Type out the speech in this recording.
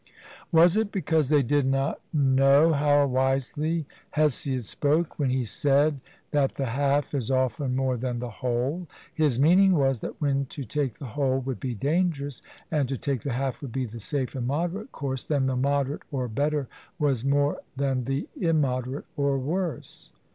Was it because they did not know how wisely Hesiod spoke when he said that the half is often more than the whole? His meaning was, that when to take the whole would be dangerous, and to take the half would be the safe and moderate course, then the moderate or better was more than the immoderate or worse.'